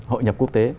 hội nhập quốc tế